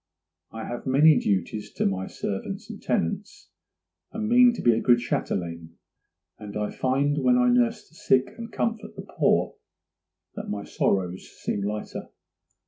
I have many duties to my servants and tenants, and mean to be a good châtelaine; and I find when I nurse the sick and comfort the poor that my sorrows seem lighter.